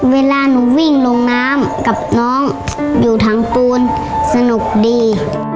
เวลาหนูวิ่งลงน้ำกับน้องอยู่ถังปูนสนุกดี